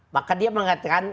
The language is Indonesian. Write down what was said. maka dia mengatakan